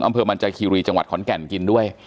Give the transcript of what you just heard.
อำเภอมันจาคีรีจังหวัดขอนแก่นกินด้วย